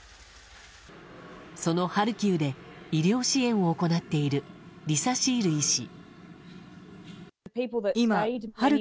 そのハルキウで医療支援を行っているリサ・シール医師。